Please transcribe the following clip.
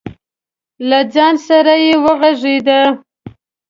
له ځان سره یې وغږېده.